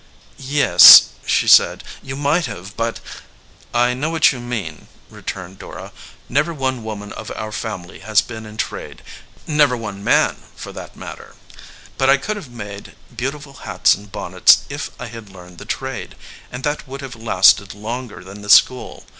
"Yes," she said, "you might have, but " "I know what you mean," returned Dora. "Never one woman of our family has been in trade, never one man, for that matter ; bi t I could have made beautiful hats and bonnets if I had learned the trade, and that would have lasted longer than the school.